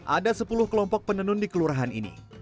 ada sepuluh kelompok penenun di kelurahan ini